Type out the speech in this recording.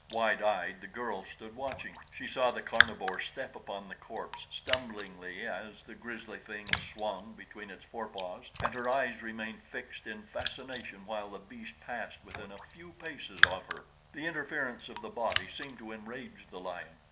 Wide eyed the girl stood watching. She saw the carnivore step upon the corpse, stumblingly, as the grisly thing swung between its forepaws, and her eyes remained fixed in fascination while the beast passed within a few paces of her. The interference of the body seemed to enrage the lion.